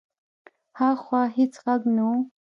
هاخوا هېڅ غږ نه و.